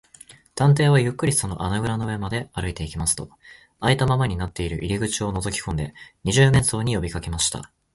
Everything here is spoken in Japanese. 探偵はゆっくりその穴ぐらの上まで歩いていきますと、あいたままになっている入り口をのぞきこんで、二十面相によびかけました。